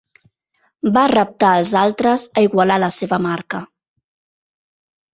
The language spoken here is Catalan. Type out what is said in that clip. Va reptar els altres a igualar la seva marca.